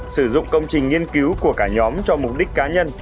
sử dụng công trình nghiên cứu của cả nhóm cho mục đích cá nhân